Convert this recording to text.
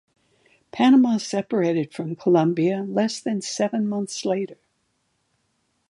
Panama separated from Colombia less than seven months later.